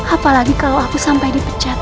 apalagi kalau aku sampai dipecat